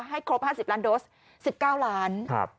ครบ๕๐ล้านโดส๑๙ล้าน